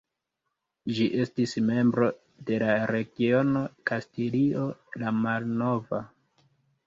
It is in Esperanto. Ĝi estis membro de la regiono Kastilio la Malnova.